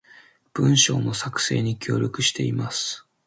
文章の作成に協力しています